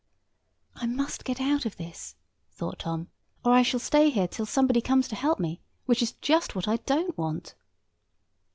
"I must get out of this," thought Tom, "or I shall stay here till somebody comes to help me—which is just what I don't want."